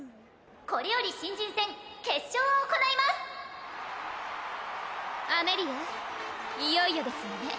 これより新人戦決勝を行いますアメリアいよいよですわね